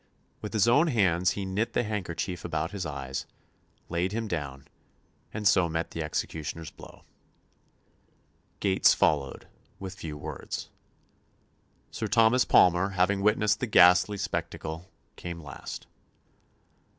With his own hands he knit the handkerchief about his eyes, laid him down, and so met the executioner's blow. Gates followed, with few words. Sir Thomas Palmer, having witnessed the ghastly spectacle, came last.